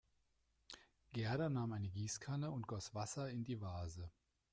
Gerda nahm eine Gießkanne und goss Wasser in die Vase.